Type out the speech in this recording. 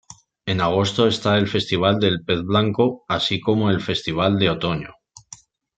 En agosto está el Festival del Pez Blanco, así como el Festival de Otoño.